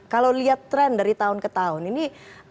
kalau lihat tren dari tahun ke tahun ini